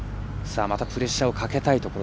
またプレッシャーをかけたいところ。